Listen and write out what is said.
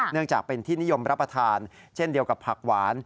เนื่องจากเป็นที่นิยมรับประทานเช่นเดียวกับผักหวาน